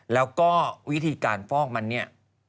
แล้วก็วิธีการฟอกมันเนี่ย